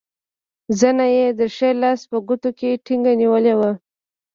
زنه یې د ښي لاس په ګوتو کې ټینګه نیولې وه.